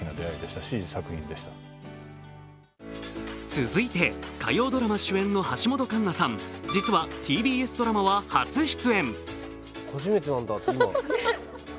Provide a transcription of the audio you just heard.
続いて、火曜ドラマ主演の橋本環奈さん、実はＴＢＳドラマは初出演。